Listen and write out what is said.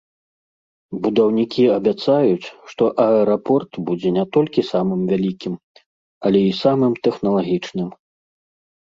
Будаўнікі абяцаюць, што аэрапорт будзе не толькі самым вялікім, але і самым тэхналагічным.